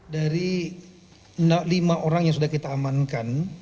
dari lima orang yang sudah kita amankan